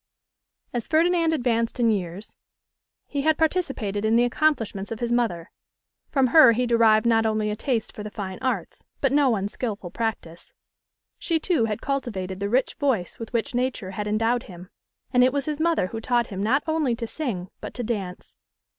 As Ferdinand advanced in years, he had participated in the accomplishments of his mother; from her he derived not only a taste for the fine arts, but no unskilful practice. She, too, had cultivated the rich voice with which Nature had endowed him, and it was his mother who taught him not only to sing, but to dance.